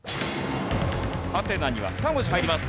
ハテナには２文字入ります。